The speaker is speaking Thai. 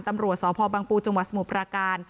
ตำรวจสพบังปูจังหวัดสมุทรปราการ